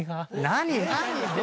何？